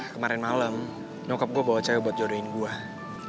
kemarin malem nyokap gue bawa cewek buat jodohin gue